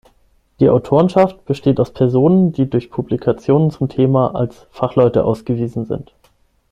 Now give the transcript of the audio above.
Die Autorenschaft besteht aus Personen, die durch Publikationen zum Thema als Fachleute ausgewiesen sind.